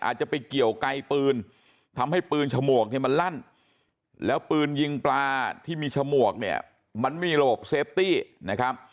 อาจจะไปเกี่ยวไกลปืนทำให้ปืนฉมวกเนี่ยมันลั่นแล้วปืนยิงปลาที่มีฉมวกเนี่ยมันไม่มีระบบเซฟตี้นะครับ